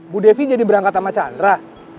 bu devi jadi berangkat sama chandra